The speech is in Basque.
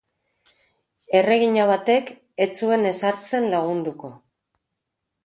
Erregina batek ez zuen ezartzen lagunduko.